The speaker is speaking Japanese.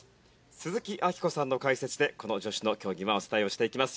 鈴木明子さんの解説でこの女子の競技はお伝えをしていきます。